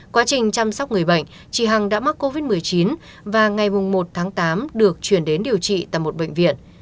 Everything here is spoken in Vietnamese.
quá trình chăm sóc người bệnh chị hằng đã mắc covid một mươi chín và ngày một tháng tám được chuyển đến điều trị tại một bệnh viện